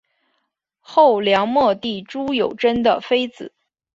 后梁末帝朱友贞的妃子。